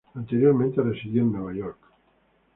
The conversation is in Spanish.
Anteriormente residió en Nueva York.